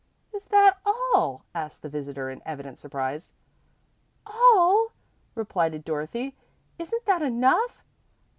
"Is that all?" asked the visitor, in evident surprise. "All!" repeated Dorothy. "Isn't that enough?"